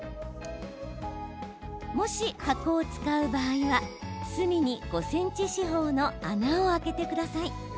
もし箱を使う場合は、隅に５ｃｍ四方の穴を開けてください。